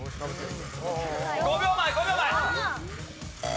５秒前５秒前！